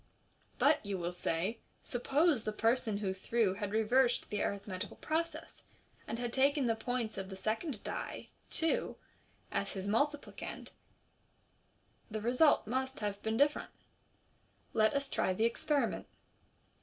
But, you will say, suppose the person who threw had reversed the arithmetical process, and had taken the points of the second die (two) as his multiplicand, the result must have been different. Let as try the experiment.